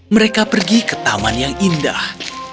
mereka pergi ke taman yang indah